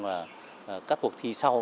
là các cuộc thi sau